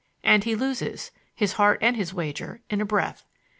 And he loses—his heart and his wager—in a breath!